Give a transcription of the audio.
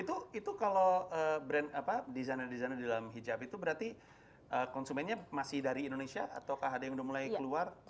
itu kalau brand apa desainer desainer di dalam hijab itu berarti konsumennya masih dari indonesia atau ada yang udah mulai keluar